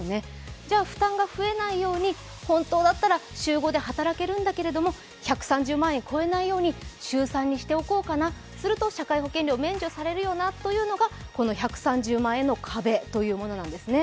じゃ、負担が増えないように、本当だったら週５で働けるんだけれども、１３０万円を超えないように週３にしておこうかな、すると社会保険料は免除されるよなというのがこの１３０万円の壁というものなんですね。